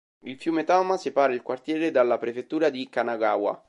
Il fiume Tama separa il quartiere dalla prefettura di Kanagawa.